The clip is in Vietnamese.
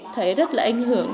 thấy rất là ảnh hưởng